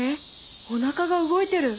おなかが動いてる！